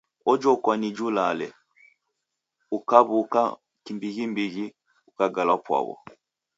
Ojokwa ni julale, ukaw’uka kimbighimbighi, ukagala pwaw’o.